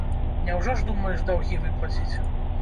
Няўжо ж думаеш даўгі выплаціць?